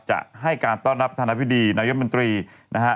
จะให้การต้อนรับธนภิดีนายมนตรีนะฮะ